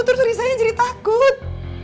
terus risa jadi takut